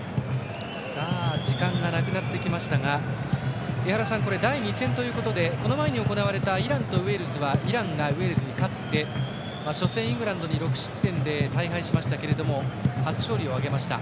時間がなくなってきましたが井原さん、第２戦ということでこの前に行われたイランとウェールズはイランがウェールズに勝って初戦、イングランドに６失点で大敗しましたけれども初勝利を挙げました。